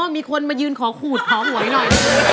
อ๋อมีคนมายืนขอขูดของหัวให้หน่อย